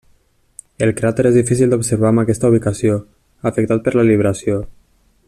El cràter és difícil d'observar en aquesta ubicació, afectat per la libració.